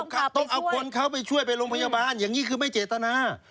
ต้องเอาคนเขาไปช่วยไปโรงพยาบาลอย่างนี้คือไม่เจตนา